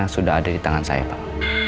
sudah ada di tangan saya pak